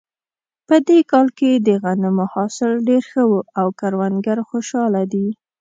په دې کال کې د غنمو حاصل ډېر ښه و او کروندګر خوشحاله دي